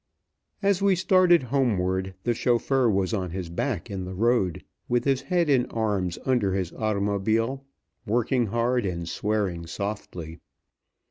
As we started homeward, the chauffeur was on his back in the road, with his head and arms under his automobile, working hard, and swearing softly.